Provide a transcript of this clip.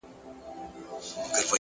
پوه انسان له حقیقت نه تښتي نه،